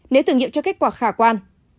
để thử nghiệm cho kết quả khả quan